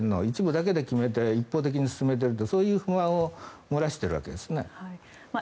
一部だけで決めて一方的に始めているというそういう不安を漏らしているんですね。